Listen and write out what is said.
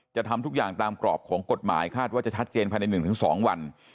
ทำทุกอย่างตามกรอบของกฎหมายคาดว่าจะชัดเจนภายใน๑๒วัน